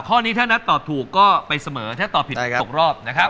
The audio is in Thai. ข้อนี้ถ้านัทตอบถูกก็ไปเสมอถ้าตอบผิด๖รอบนะครับ